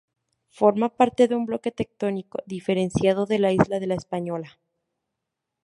Forma parte de un bloque tectónico diferenciado de la isla de La Española.